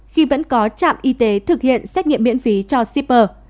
khi vẫn có trạm y tế thực hiện xét nghiệm miễn phí cho shipper